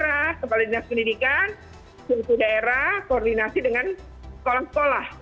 kepala dinas pendidikan daerah koordinasi dengan sekolah sekolah